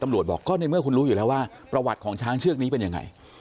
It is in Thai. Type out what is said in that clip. บอกก็ในเมื่อคุณรู้อยู่แล้วว่าประวัติของช้างเชือกนี้เป็นยังไง